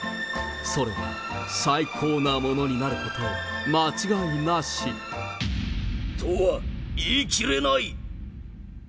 それは最高なものになること間違いなし。とは言い切れない！